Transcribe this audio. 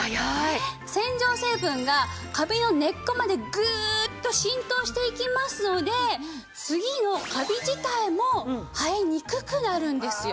洗浄成分がカビの根っこまでグーッと浸透していきますので次のカビ自体も生えにくくなるんですよ。